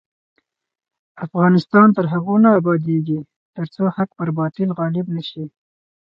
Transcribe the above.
افغانستان تر هغو نه ابادیږي، ترڅو حق پر باطل غالب نشي.